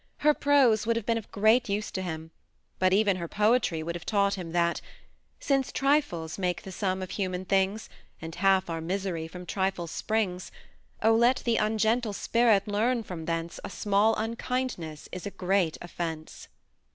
Her prose would have heen of great use to him; but even her poetry would have taught him that " Since trifles make the sam of hnman things, And half our misery from trifles springs — Oh I let the ungentle spirit learn from thence A small nnkindness Is a great offence."